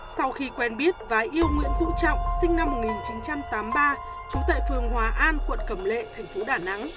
sau khi quen biết và yêu nguyễn vũ trọng sinh năm một nghìn chín trăm tám mươi ba trú tại phường hòa an quận cầm lệ tp đà nẵng